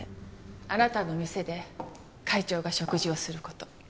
あなたの店で会長が食事をする事。